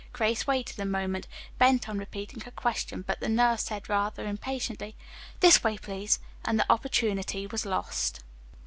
Grace waited a moment, bent on repeating her question, but the nurse said rather impatiently, "This way, please," and the opportunity was lost.